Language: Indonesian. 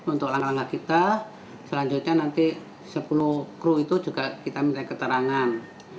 untuk langkah langkah kita selanjutnya nanti sepuluh kru itu juga kita minta keterangan